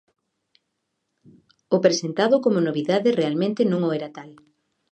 O presentado como novidade realmente non o era tal.